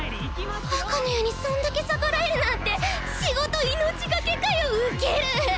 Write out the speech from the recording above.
赤の矢にそんだけ逆らえるなんて仕事命がけかよウケる！